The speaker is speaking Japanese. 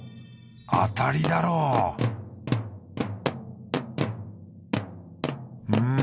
当たりだろう！